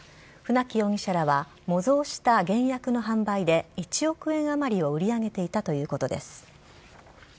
船木容疑者らは模造した原薬の販売で１億円あまりを売り上げていたということです。